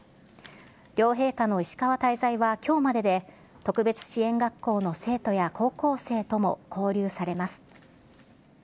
両陛下の石川滞在はきょうまでで、特別支援学校の生徒や高校生とも交流されます。